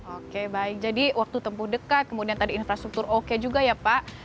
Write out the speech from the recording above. oke baik jadi waktu tempuh dekat kemudian tadi infrastruktur oke juga ya pak